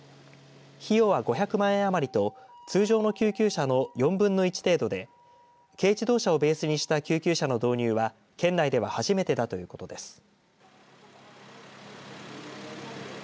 費用は５００万円余りと通常の救急車の４分の１程度で軽自動車をベースにした救急車の導入は県内では初めてだということです。